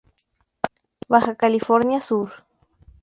Baja California Sur.